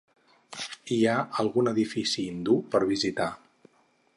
Hi ha algun edifici hindú per visitar.